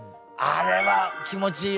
あれ気持ちいい。